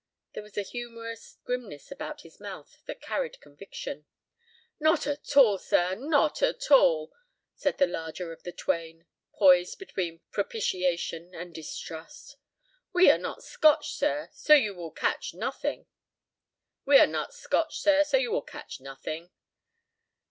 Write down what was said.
There was a humorous grimness about his mouth that carried conviction. "Not at all, sir, not at all," said the larger of the twain, poised between propitiation and distrust. "We are not Scotch, sir, so you will catch nothing."